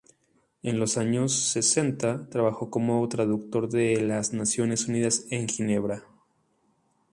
En los años sesenta trabajó como traductor de las Naciones Unidas en Ginebra.